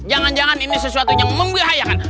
jangan jangan ini sesuatu yang membahayakan